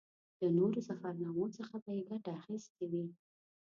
له نورو ظفرنامو څخه به یې ګټه اخیستې وي.